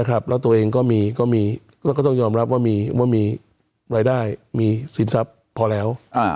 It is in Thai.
แล้วตัวเองก็ต้องยอมรับว่ามีรายได้มีสินทรัพย์พอแล้ว